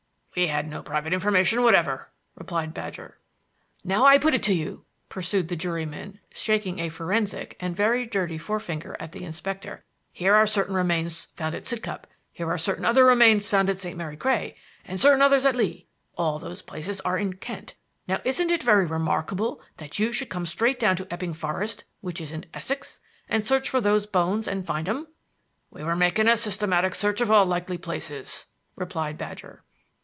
"We had no private information whatever," replied Badger. "Now I put it to you," pursued the juryman, shaking a forensic, and very dirty, forefinger at the inspector; "here are certain remains found at Sidcup; here are certain other remains found at St. Mary Cray, and certain others at Lee. All those places are in Kent. Now isn't it very remarkable that you should come straight down to Epping Forest, which is in Essex, and search for those bones and find 'em?" "We were making a systematic search of all likely places," replied Badger.